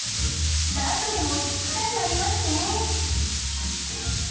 何度でもつつきたくなりますね。